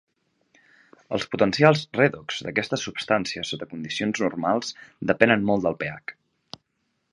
Els potencials redox d'aquestes substàncies sota condicions normals depenen molt del pH.